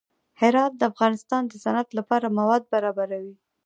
هرات د افغانستان د صنعت لپاره مواد برابروي.